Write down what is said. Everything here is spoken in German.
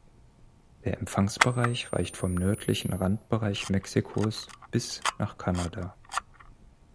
Der Empfangsbereich reicht vom nördlichen Randbereich Mexikos bis nach Kanada.